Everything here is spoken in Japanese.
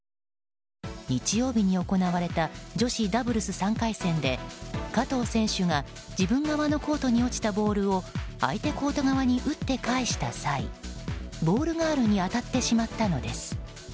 日曜日に行われた女子ダブルス３回戦で加藤選手が自分側のコートに落ちたボールを相手コート側に打って返した際ボールガールに当たってしまったのです。